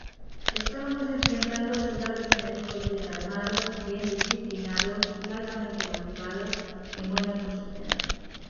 Estábamos enfrentando soldados enemigos bien armados, bien disciplinados y altamente motivados en buenas posiciones.